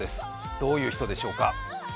どういう人でしょうか？